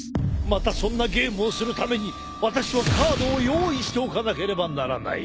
またそんなゲームをするために私はカードを用意しておかなければならない！